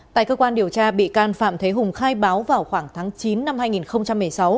tại cơ quan điều tra bị can phạm thế hùng khai báo vào khoảng tháng chín năm hai nghìn một mươi sáu